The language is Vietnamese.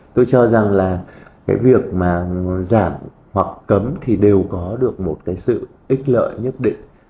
tôi cho rằng là cái việc mà giảm hoặc cấm thì đều có được một cái sự ít lợi nhất định